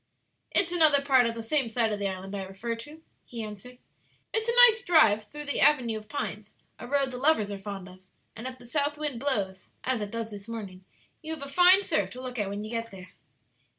"It's another part of the same side of the island I refer to," he answered. "It's a nice drive through the avenue of pines a road the lovers are fond of and if the south wind blows, as it does this morning, you have a fine surf to look at when you get there."